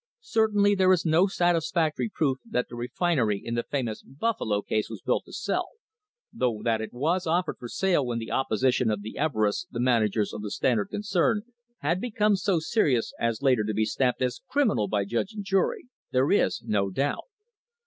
Certainly there is no satisfactory proof that the refinery in the famous Buffalo case was built to sell, though that it was offered for sale when the opposition of the Everests, the managers of the Standard concern, had become so serious as later to be stamped as criminal by judge and jury, there is no doubt.